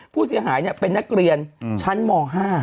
ผู้เสียหายเนี่ยเป็นนักเรียนชั้นหมอ๕ครับ